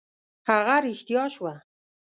هغه رښتیا شوه.